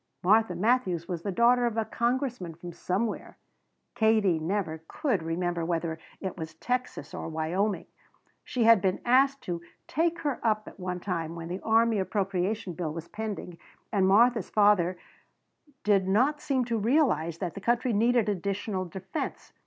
Martha Matthews was the daughter of a congressman from somewhere Katie never could remember whether it was Texas or Wyoming. She had been asked to "take her up" at one time when the army appropriation bill was pending and Martha's father did not seem to realize that the country needed additional defense.